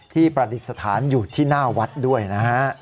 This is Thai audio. ประดิษฐานอยู่ที่หน้าวัดด้วยนะฮะ